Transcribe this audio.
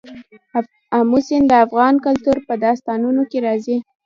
آمو سیند د افغان کلتور په داستانونو کې راځي.